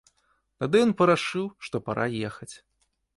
Тады ён парашыў, што пара ехаць.